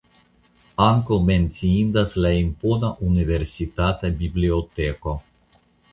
Ankaŭ menciindas la impona universitata biblioteko.